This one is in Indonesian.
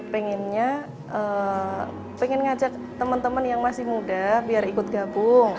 pengennya pengen ngajak teman teman yang masih muda biar ikut gabung